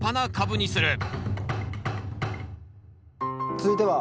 続いては？